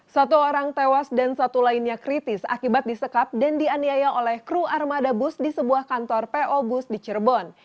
satu orang tewas dan satu lainnya kritis akibat disekap dan dianiaya oleh kru armada bus di sebuah kantor po bus di cirebon